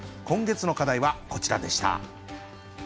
今月の課題はこちらでした。